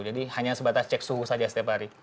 jadi hanya sebatas cek suhu saja setiap hari